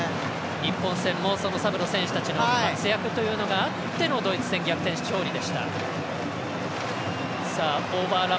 日本戦もサブの選手たちの活躍というのがあってのドイツ戦逆転勝利でした。